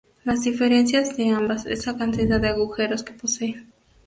Las diferencias de ambas es la cantidad de agujeros que poseen.